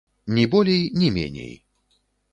Ні болей ні меней!